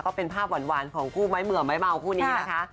ก็เป็นภาพหวานของคู่ไม้เหมือไม้เมาคู่นี้นะคะ